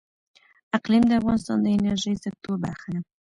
اقلیم د افغانستان د انرژۍ سکتور برخه ده.